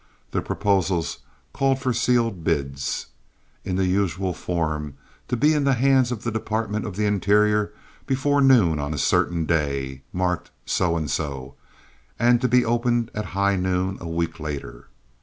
The proposals called for sealed bids, in the usual form, to be in the hands of the Department of the Interior before noon on a certain day, marked so and so, and to be opened at high noon a week later.